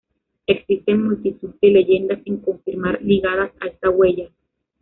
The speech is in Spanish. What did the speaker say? Existen multitud de leyendas sin confirmar ligadas a estas huellas.